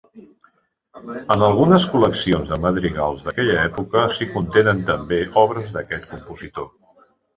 En algunes col·leccions de madrigals d'aquella època s'hi contenen també obres d'aquest compositor.